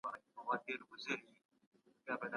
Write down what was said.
موږ د پښتو ژبي خدمت ته ژمن یو.